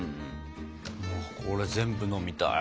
これ全部飲みたい。